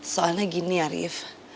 soalnya gini arief